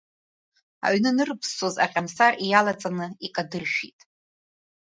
Аҩны анырԥссоз аҟьамсар иалаҵаны икадыршәит.